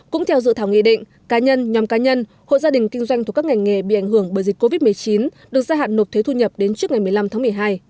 cũng theo dự thảo nghị định cá nhân nhóm cá nhân hộ gia đình kinh doanh thuộc các ngành nghề bị ảnh hưởng bởi dịch covid một mươi chín được gia hạn nộp thuế thu nhập đến trước ngày một mươi năm tháng một mươi hai